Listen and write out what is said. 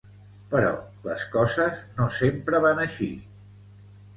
Però les coses no sempre van així.